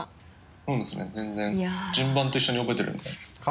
そうですね全然順番と一緒に覚えてるので。